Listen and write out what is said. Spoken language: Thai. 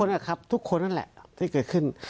นะครับทุกคนนั่นแหละที่เกิดขึ้น